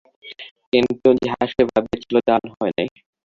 কিন্তু যাহা সে ভাবিয়াছিল তাহা হয় নাই।